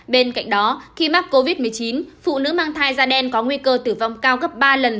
bên cạnh đó khi mắc covid một mươi chín phụ nữ mang thai da đen có nguy cơ tử vong cao gấp ba lần